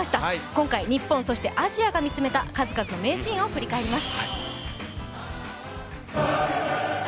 今回、日本そしてアジアが見つめた数々の名シーン振り返ります。